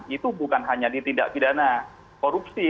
itu bukan hanya ditindak pidana korupsi